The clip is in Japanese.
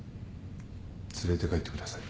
連れて帰ってください。